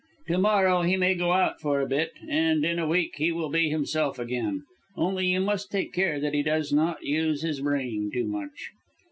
To morrow, he may go out for a bit, and, in a week, he will be himself again. Only you must take care that he does not use his brain too much."